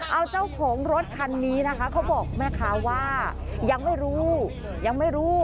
เอาเจ้าของรถคันนี้นะคะเขาบอกแม่ค้าว่ายังไม่รู้ยังไม่รู้